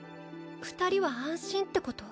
二人は安心ってこと？